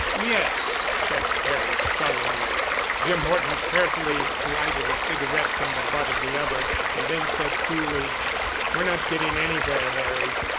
"Yes," said Harry sullenly. Jim Horton carefully lighted a cigarette from the butt of the other, and then said coolly: "We're not getting anywhere, Harry."